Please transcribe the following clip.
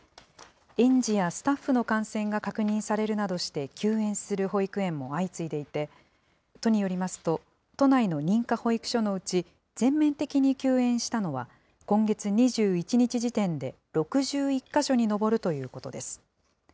園児やスタッフの感染が確認されるなどして休園する保育園も相次いでいて、都によりますと、都内の認可保育所のうち、全面的に休園したのは、今月２１日時点で６１か所に上るということです。